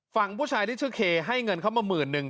ฝั่งผู้ชายที่ชื่อเคให้เงินเขามาหมื่นนึง